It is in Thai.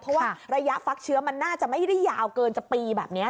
เพราะว่าระยะฟักเชื้อมันน่าจะไม่ได้ยาวเกินจะปีแบบนี้